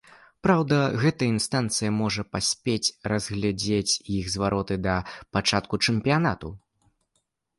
Праўда, гэтая інстанцыя можа не паспець разгледзець іх зварот да пачатку чэмпіянату.